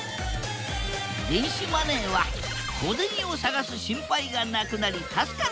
電子マネーは小銭を探す心配がなくなり助かる。